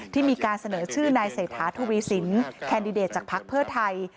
ที่มีการเสนอชื่อนายเศรษฐาทวีสินแคนดิเดตจากภักดิ์เพื่อไทย